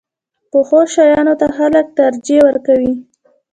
پخو شیانو ته خلک ترجیح ورکوي